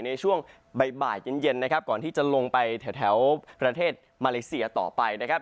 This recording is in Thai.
ในช่วงบ่ายเย็นนะครับก่อนที่จะลงไปแถวประเทศมาเลเซียต่อไปนะครับ